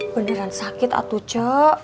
beneran sakit atuh ce